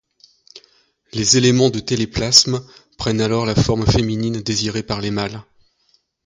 Les éléments de téléplasme prennent alors la forme féminine désirée par les mâles.